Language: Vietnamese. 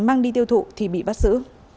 mang đi tiêu thụ thì bị bắt giữ